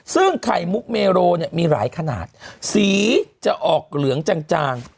ซึ่งไข่มุกเมโรเนี่ยมีหลายขนาดสีจะออกเหลืองจาง